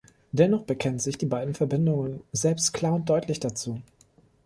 Dennoch bekennen sich die beiden Verbindungen selbst klar und deutlich dazu.